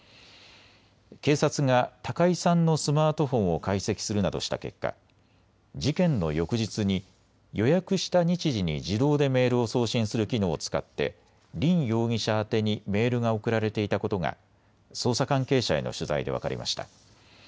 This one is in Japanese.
警察が高井さんのスマートフォンを解析するなどした結果、事件の翌日に予約した日時に自動でメールを送信する機能を使って凜容疑者宛てにメールが送られていたことが捜査関係者への取材で分かりました。